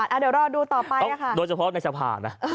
เดี๋ยวรอดูต่อไปโดยเฉพาะในสภานะ